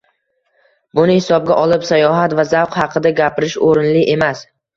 Buni hisobga olib, sayohat va zavq haqida gapirish o'rinli emas